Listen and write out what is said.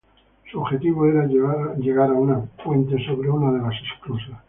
Su objetivo era llegar a un puente sobre una de las esclusas.